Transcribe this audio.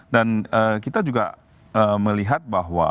dan kita juga melihat bahwa